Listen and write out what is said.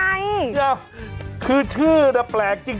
เดี๋ยวคือชื่อน่ะแปลกจริง